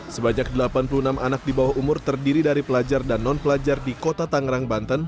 sebanyak delapan puluh enam anak di bawah umur terdiri dari pelajar dan non pelajar di kota tangerang banten